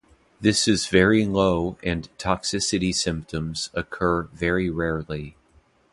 This is very low and toxicity symptoms occur very rarely.